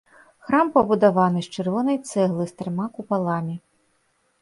Храм пабудаваны з чырвонай цэглы, з трыма купаламі.